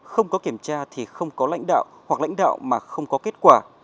không có kiểm tra thì không có lãnh đạo hoặc lãnh đạo mà không có kết quả